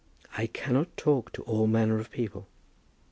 I cannot talk to all manner of people."